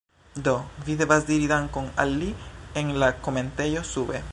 Do, vi devas diri dankon al li en la komentejo sube